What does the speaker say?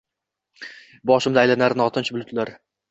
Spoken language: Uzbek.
Boshimda aylanar notinch bulutlar.